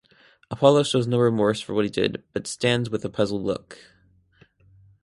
Apollo shows no remorse for what he did but stands with a puzzled look.